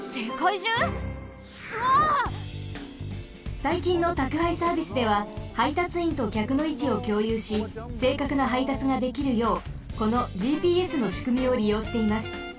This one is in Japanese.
さいきんのたくはいサービスでははいたついんときゃくのいちをきょうゆうしせいかくなはいたつができるようこのＧＰＳのしくみをりようしています。